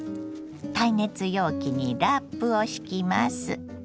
耐熱容器にラップを敷きます。